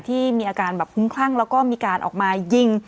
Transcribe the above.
ที่มีอาการแบบคุ้มคลั่งแล้วก็มีการออกมายิง